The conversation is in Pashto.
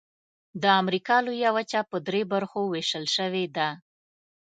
د امریکا لویه وچه په درې برخو ویشل شوې ده.